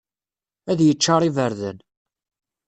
Ad yeččar iberdan.